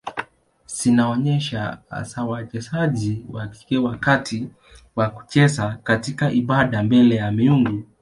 Zinaonyesha hasa wachezaji wa kike wakati wa kucheza katika ibada mbele ya miungu.